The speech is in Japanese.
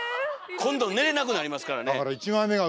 今度寝れなくなりますからね！